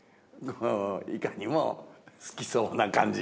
いかにも好きそうな感じ。